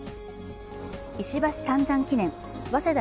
石橋湛山記念早稲田